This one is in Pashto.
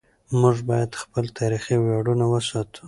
موږ باید خپل تاریخي ویاړونه وساتو.